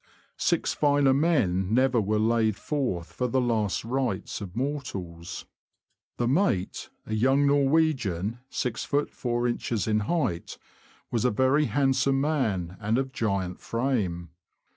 Six finer men never were laid forth for the last rites of mortals ; the mate, a young Norwegian, 6ft. 4in. in height, was a very handsome man, and of giant frame.